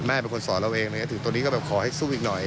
เป็นคนสอนเราเองถึงตัวนี้ก็แบบขอให้สู้อีกหน่อย